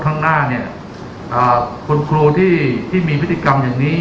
ข้างหน้าเนี่ยคุณครูที่มีพฤติกรรมอย่างนี้